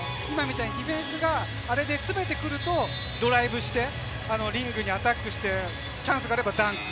ディフェンスが詰めてくるとドライブしてウイングにアタックしてチャンスがあればダンク。